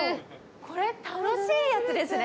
これ楽しいやつですね